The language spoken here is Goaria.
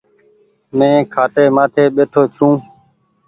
مين کآٽي مآٿي ٻيٺو ڇو۔